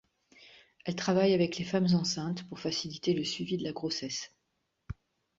Elle travaille avec les femmes enceinte pour faciliter le suivi de la grossesse.